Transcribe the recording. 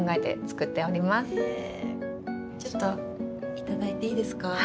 ちょっと頂いていいですか？